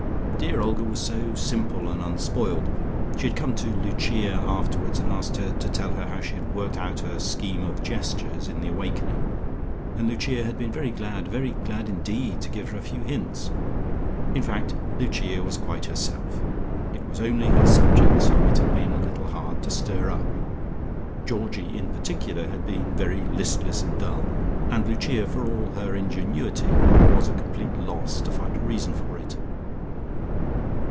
Dear Olga was so simple and unspoiled: she had come to Lucia afterwards, and asked her to tell her how she had worked out her scheme of gestures in the awakening, and Lucia had been very glad, very glad indeed to give her a few hints. In fact, Lucia was quite herself: it was only her subjects whom it had been a little hard to stir up. Georgie in particular had been very listless and dull, and Lucia, for all her ingenuity, was at a complete loss to find a reason for it.